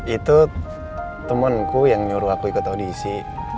itu temanku yang nyuruh aku ikut audisi